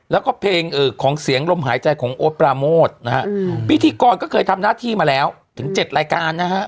แล้วก็เพลงของเสียงลมหายใจของโอ๊ตปราโมทนะฮะพิธีกรก็เคยทำหน้าที่มาแล้วถึง๗รายการนะฮะ